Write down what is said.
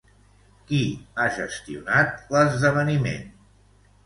Qui ha gestionat l'esdeveniment?